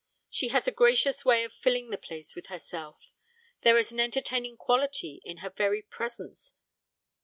She has a gracious way of filling the place with herself, there is an entertaining quality in her very presence.